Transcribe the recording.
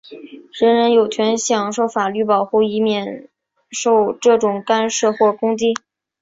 人人有权享受法律保护,以免受这种干涉或攻击。